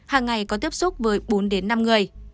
hàng ngày có tiếp xúc với bốn năm người